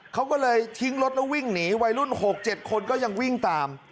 เขาก็เลยทิ้งรถแล้ววิ่งหนีวัยรุ่น๖๗คนก็ยังวิ่งตาม